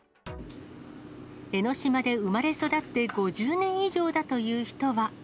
江の島で生まれ育って５０年以上だという人は。